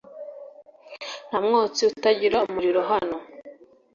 nta mwotsi utagira umuriro - hano